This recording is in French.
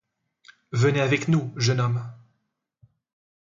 Venez avec nous, jeune homme!